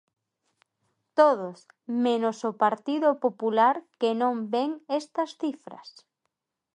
Todos, menos o Partido Popular, que non ven estas cifras.